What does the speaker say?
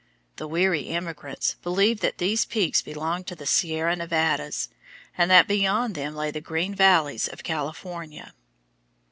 The weary emigrants believed that these peaks belonged to the Sierra Nevadas, and that beyond them lay the green valleys of California.